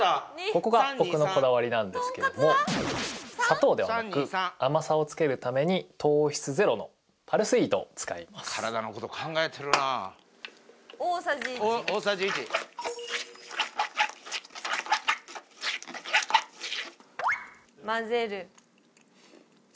３・２・３ここが僕のこだわりなんですけども砂糖ではなく甘さをつけるために糖質ゼロのパルスイートを使います体のこと考えてるなあ大さじ１大さじ１混ぜる